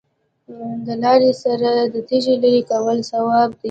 د لارې څخه د تیږې لرې کول ثواب دی.